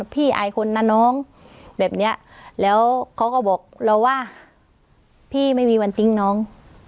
อายคนนะน้องแบบเนี้ยแล้วเขาก็บอกเราว่าพี่ไม่มีวันทิ้งน้อง